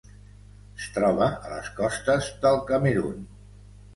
Es troba a les costes del Camerun.